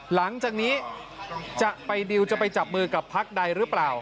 หลังจากนี้จะไปดิวจะไปจับมือกับพักใดหรือเปล่า